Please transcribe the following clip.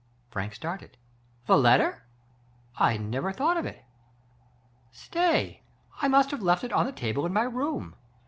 " Frank started. " The letter ? I never thought of it. Stay ! I must have left it on the table in my room.